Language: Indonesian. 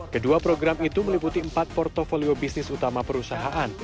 kedua program itu meliputi empat portfolio bisnis utama perusahaan